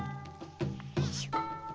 よいしょ。